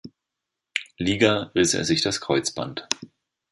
Liga riss er sich das Kreuzband.